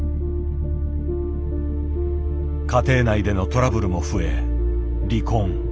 家庭内でのトラブルも増え離婚。